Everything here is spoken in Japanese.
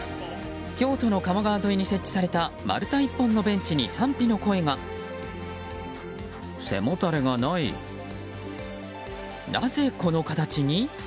京都の鴨川沿いに設置された丸太一本のベンチになぜ、この形に？